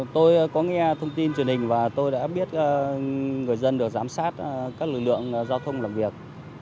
tôi có nghe thông tin truyền hình và tôi đã biết người dân được giám sát các lực lượng giao thông làm việc